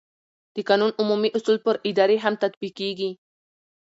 د قانون عمومي اصول پر ادارې هم تطبیقېږي.